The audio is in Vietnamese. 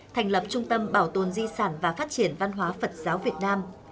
thành lập trung tâm bảo tồn di sản và phát triển văn hóa phật giáo việt nam